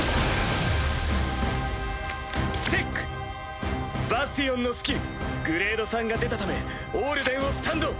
チェックバスティオンのスキルグレード３が出たためオールデンをスタンド！